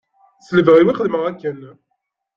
S lebɣi-w i xedmeɣ akken.